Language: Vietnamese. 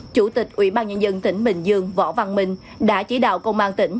chủ tịch ủy ban nhân dân tỉnh bình dương võ văn minh đã chỉ đạo công an tỉnh